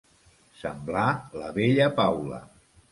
Semblar la vella Paula.